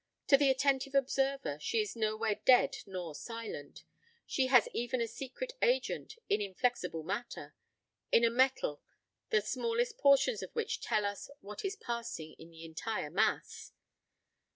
To the attentive observer she is nowhere dead nor silent; she has even a secret agent in inflexible matter, in a metal, the smallest portions of which tell us what is passing in the entire mass.